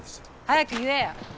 早く言えよ！